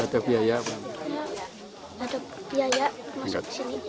gak ada biaya masuk sini